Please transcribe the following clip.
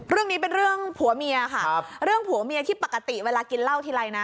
เรื่องนี้เป็นเรื่องผัวเมียค่ะเรื่องผัวเมียที่ปกติเวลากินเหล้าทีไรนะ